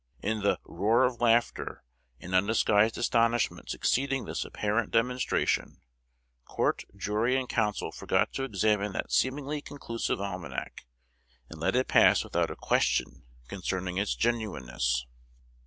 In the "roar of laughter" and undisguised astonishment succeeding this apparent demonstration, court, jury, and counsel forgot to examine that seemingly conclusive almanac, and let it pass without a question concerning its genuineness.